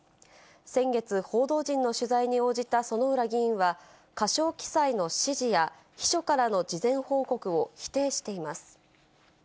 先月、報道陣の取材に応じた薗浦議員は、過少記載の指示や、秘書からの事前報告を否定しています。